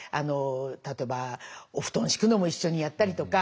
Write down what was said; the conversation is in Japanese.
例えばお布団敷くのも一緒にやったりとか。